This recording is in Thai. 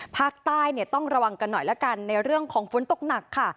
ภาคใต้ต้องระวังกันหน่อยละกันในเรื่องของฝนตกหนักค่ะ